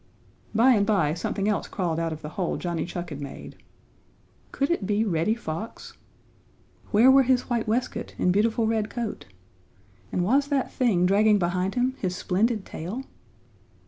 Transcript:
By and by something else crawled out of the hole Johnny Chuck had made. Could it be Reddy Fox? Where were his white waistcoat and beautiful red coat? And was that thing dragging behind him his splendid tail?